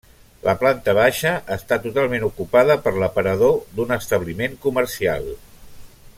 La planta baixa està totalment ocupada per l'aparador d'un establiment comercial.